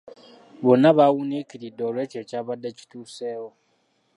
Bonna bawuniikiridde olw'ekyo ekyabadde kituseewo.